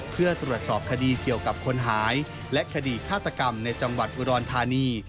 เพื่อตรวจสอบคดีเกี่ยวกับคนหายและคดีฆาตกรรมในจังหวัดอุดรธานี